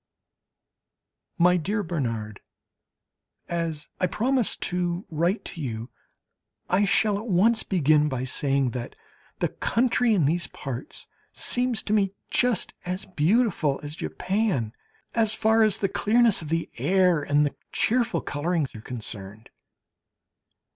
MY DEAR BERNARD, As I promised to write to you, I shall at once begin by saying that the country in these parts seems to me just as beautiful as Japan, as far as the clearness of the air and the cheerful colouring are concerned.